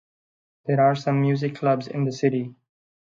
There are some music clubs in the city.